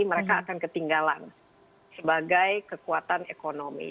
mereka akan ketinggalan sebagai kekuatan ekonomi